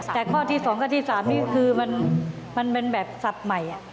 แต่ข้อที่๒ข้อที่๓นี่คือมันเป็นแบบศัพท์ใหม่